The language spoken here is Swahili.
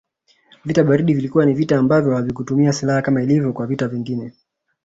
Vita baridi vilikuwa ni vita ambavyo havikutumia siilaha kama ilivyo kwa vita vingine